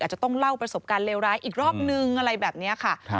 จะต้องเล่าประสบการณ์เลวร้ายอีกรอบนึงอะไรแบบนี้ค่ะ